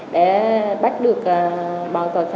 để bắt được bọn tội thái